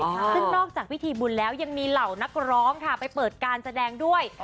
ซึ่งนอกจากพิธีบุญแล้วยังมีเหล่านักร้องค่ะไปเปิดการแสดงด้วย